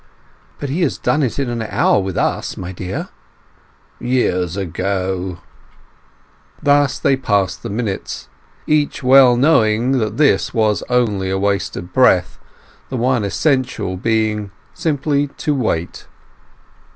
"But he has done it in an hour with us, my dear." "Years ago." Thus they passed the minutes, each well knowing that this was only waste of breath, the one essential being simply to wait.